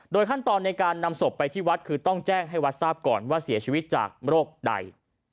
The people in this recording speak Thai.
ขั้นตอนในการนำศพไปที่วัดคือต้องแจ้งให้วัดทราบก่อนว่าเสียชีวิตจากโรคใด